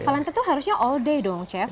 valentine tuh harusnya all day dong chef